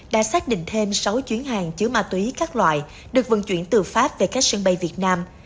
đã xác định thêm sáu chuyến hàng chứa ma túy các loại được vận chuyển từ pháp về các sân bay việt nam